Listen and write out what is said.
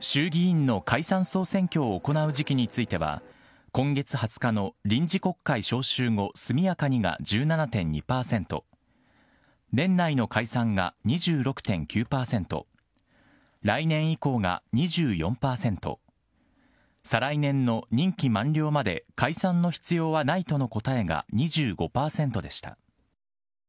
衆議院の解散・総選挙を行う時期については、今月２０日の臨時国会召集後、速やかにが１７．２％、年内の解散が２６．９％、来年以降が２４％、再来年の任期満了まで解散の必要はないとの答えが２５％でした。